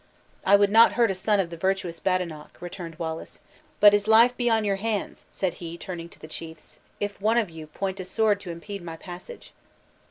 "I would not hurt a son of the virtuous Badenoch," returned Wallace; "but his life be on your hands," said he, turning to the chiefs, "if one of you point a sword to impede my passage."